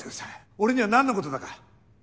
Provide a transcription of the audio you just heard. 俺にはなんのことだか。